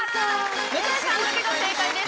向井さんだけが正解です。